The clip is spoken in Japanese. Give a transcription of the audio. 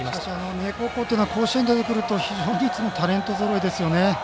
三重高校というのは甲子園出てくると、いつもタレントぞろいですよね。